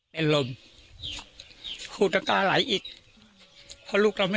พี่พ่อบอกว่าพ่อไม่เชื่อค่ะ